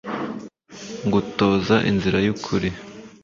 ngutoza inzira y'ukuri